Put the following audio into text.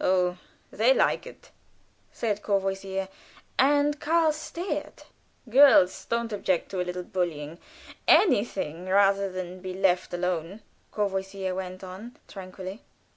"Oh, they like it!" said Courvoisier; and Karl stared. "Girls don't object to a little bullying; anything rather than be left quite alone," Courvoisier went on, tranquilly.